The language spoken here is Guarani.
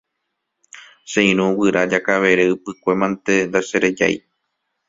Che irũ guyra Jakavere Ypykue mante ndacherejái.